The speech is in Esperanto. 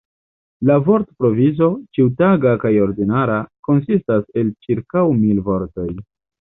La vortprovizo, ĉiutaga kaj ordinara, konsistas el ĉirkaŭ mil vortoj.